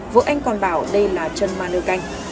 vợ anh còn bảo đây là chân ma nơ canh